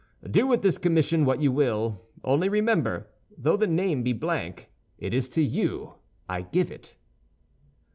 "Do with this commission what you will; only remember, though the name be blank, it is to you I give it."